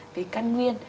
về căn nguyên